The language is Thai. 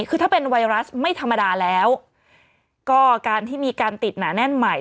คือถ้าเป็นไวรัสไม่ธรรมดาแล้วก็การที่มีการติดหนาแน่นใหม่